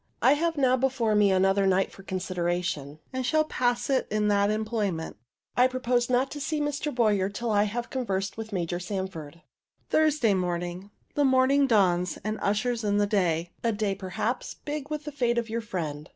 I have now before me another night for consideration, and shall pass it in that employment. I purpose not to see Mr. Boyer till I have conversed with Major Sanford. Thursday morning. The morning dawns, and ushers in the day a day, perhaps, big with the fate of your friend.